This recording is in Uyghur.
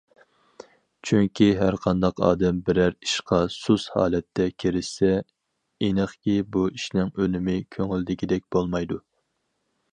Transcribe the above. چۈنكى ھەرقانداق ئادەم بىرەر ئىشقا سۇس ھالەتتە كىرىشسە، ئېنىقكى بۇ ئىشنىڭ ئۈنۈمى كۆڭۈلدىكىدەك بولمايدۇ.